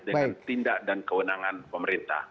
dengan tindak dan kewenangan pemerintah